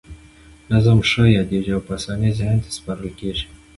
نظم ښه یادیږي او په اسانۍ ذهن ته سپارل کیږي.